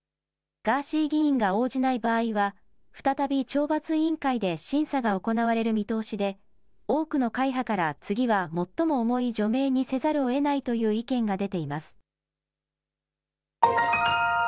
ガーシー議員が応じない場合は再び懲罰委員会で審査が行われる見通しで多くの会派から、次は最も重い除名にせざるをえないという意見が出ています。